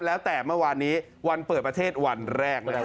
แล้วแต่เมื่อวานนี้วันเปิดประเทศวันแรกนะครับ